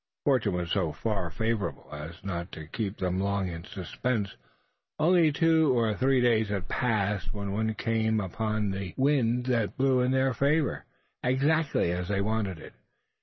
Fortune was so far favourable, as not to keep them long in suspense. Only two or three days had passed, when one came, on which the wind blew in their favour exactly as they wanted it.